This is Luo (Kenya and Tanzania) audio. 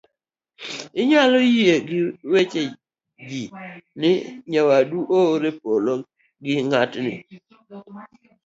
inyalo yie gi weche ji ni nyawadu oor e polo gi ng'atni